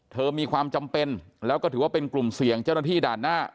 มีความจำเป็นแล้วก็ถือว่าเป็นกลุ่มเสี่ยงเจ้าหน้าที่ด่านหน้า